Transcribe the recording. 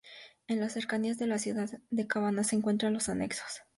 En las cercanías de la ciudad de Cabana se encuentran los anexos.